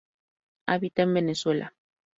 Habita en Venezuela.